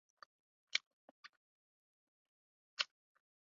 详参集团军。